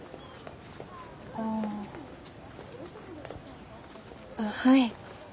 ああはい。